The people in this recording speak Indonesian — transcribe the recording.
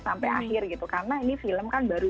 sampai akhir gitu karena ini film kan baru